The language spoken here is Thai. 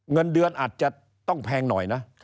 เงินเดือนอาจจะต้องแพงหน่อยนะ